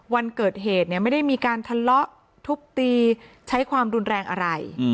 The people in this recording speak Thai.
วันเกิดเหตุเนี่ยไม่ได้มีการทะเลาะทุบตีใช้ความรุนแรงอะไร